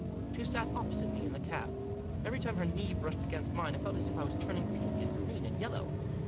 She sat opposite me in the cab. Every time her knee brushed against mine, I felt as if I was turning pink and green and yellow.